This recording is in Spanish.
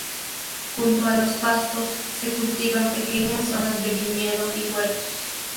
Junto a los pastos, se cultivan pequeñas zonas de viñedo y huertos.